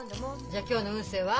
じゃ今日の運勢は？